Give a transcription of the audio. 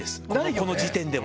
この時点では。